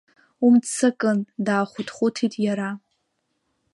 Умццакын, даахәыҭхәыҭит иара.